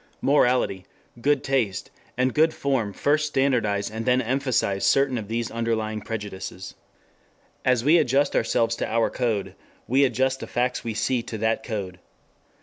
Morality, good taste and good form first standardize and then emphasize certain of these underlying prejudices. As we adjust ourselves to our code, we adjust the facts we see to that code.